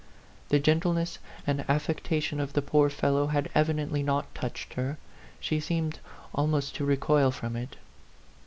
The gentle ness and affection of the poor fellow had evidently not touched her she seemed al most to recoil from it.